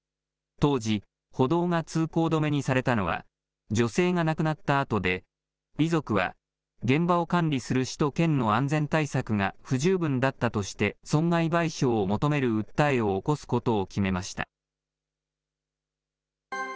当時、歩道が通行止めにされたのは、女性が亡くなったあとで、遺族は、現場を管理する市と県の安全対策が不十分だったとして、損害賠償を求める訴えを起こすことを決めました。